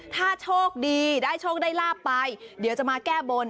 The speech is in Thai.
ถ้าโชคดีได้โชคได้ลาบไปเดี๋ยวจะมาแก้บน